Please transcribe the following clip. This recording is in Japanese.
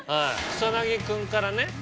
草薙君からね